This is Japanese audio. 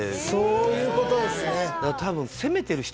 そういう事ですね。